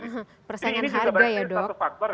ini sebenarnya satu faktor